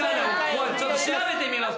ここはちょっと調べてみます。